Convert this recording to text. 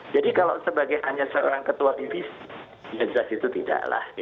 jadi kalau sebagai hanya seorang ketua divisi ya jelas itu tidak lah